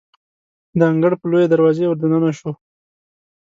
د انګړ په لویې دروازې وردننه شوو.